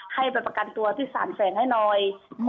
ให้ไปประกันตัวที่สารแสงให้หน่อย